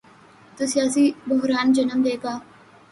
تو سیاسی بحران جنم لے گا۔